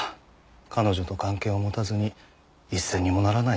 “彼女”と関係を持たずに一銭にもならない